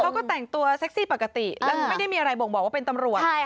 เขาก็แต่งตัวเซ็กซี่ปกติแล้วไม่ได้มีอะไรบ่งบอกว่าเป็นตำรวจ